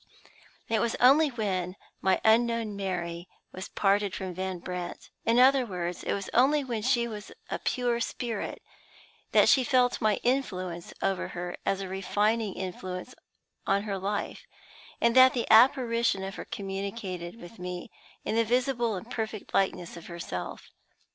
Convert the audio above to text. It was only when my unknown Mary was parted from Van Brandt in other words, it was only when she was a pure spirit that she felt my influence over her as a refining influence on her life, and that the apparition of her communicated with me in the visible and perfect likeness of herself.